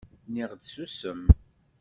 Nniɣ-d ssusem!